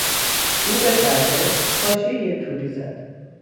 او به پرده، حاشیهی توری زد.